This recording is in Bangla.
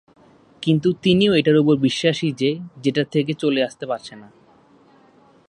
কিন্তু তিনিও এটার উপর বিশ্বাসী যে সেটা থেকে চলে আসতে পারছে না।